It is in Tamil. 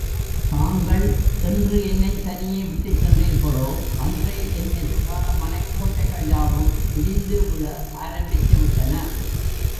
தாங்கள் என்று என்னைத் தனியே விட்டுச் சென்றீர்களோ அன்றே என் எதிர்கால மனக்கோட்டைகள் யாவும் இடிந்து விழ, ஆரம்பித்துவிட்டன.